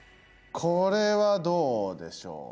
これはどうでしょう？